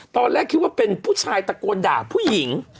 ตอนแรกคิดว่าเป็นผู้ชายตะโกนด่าผู้หญิง